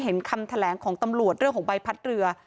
เห็นคำแถลงของตำรวจเรื่องของใบพัดเรือ